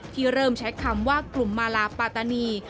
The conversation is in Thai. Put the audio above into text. เริ่มใช้คำว่ากลุ่มมาลาปาตานี